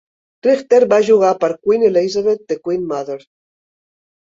Richter va jugar per Queen Elizabeth The Queen Mother.